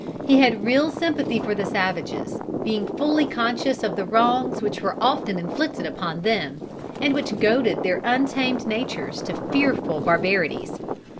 He had real sympathy for the savages, being fully conscious of the wrongs which were often inflicted upon them, and which goaded their untamed natures to fearful barbarities.